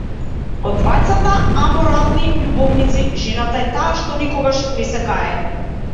Од двајцата аморални љубовници, жената е таа што никогаш не се кае.